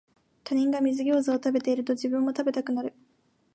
他人が水ギョウザを食べてると、自分も食べたくなる